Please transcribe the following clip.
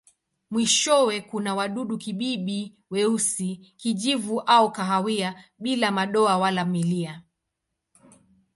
Mwishowe kuna wadudu-kibibi weusi, kijivu au kahawia bila madoa wala milia.